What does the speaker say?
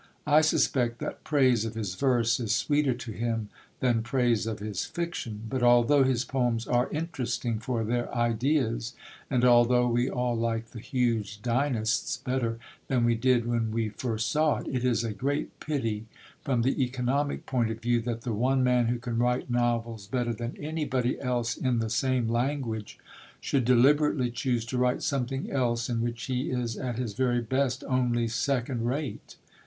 I suspect that praise of his verse is sweeter to him than praise of his fiction; but, although his poems are interesting for their ideas, and although we all like the huge Dynasts better than we did when we first saw it, it is a great pity from the economic point of view that the one man who can write novels better than anybody else in the same language should deliberately choose to write something else in which he is at his very best only second rate.